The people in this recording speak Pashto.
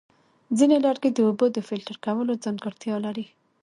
ځینې لرګي د اوبو د فلټر کولو ځانګړتیا لري.